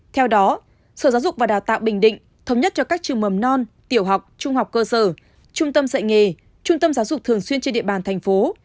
theo đó sở giáo dục và đào tạo bình định thống nhất cho các trường mầm non tiểu học trung học cơ sở trung tâm dạy nghề trung tâm giáo dục thường xuyên trên địa bàn thành phố